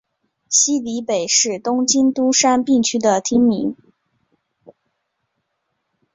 西荻北是东京都杉并区的町名。